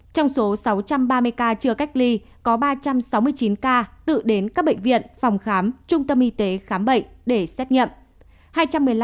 trong số sáu trăm ba mươi ca chưa cách ly có ba trăm sáu mươi chín ca tự đến các bệnh viện phòng khám trung tâm y tế khám bệnh để xét nghiệm